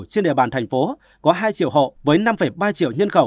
trên địa bàn thành phố có hai triệu hộ với năm ba triệu nhân khẩu